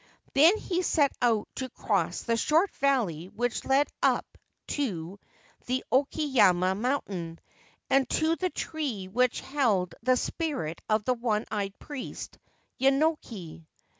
Then he set out to cross the short valley which led up to the Oki yama mountain, and to the tree which held the spirit of the one eyed priest, Yenoki.